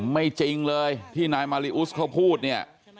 ไม่จริงเลยที่นายมาริอุสเขาพูดเนี่ย